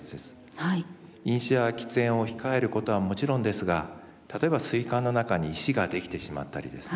飲酒や喫煙を控えることはもちろんですが例えばすい管の中に石が出来てしまったりですね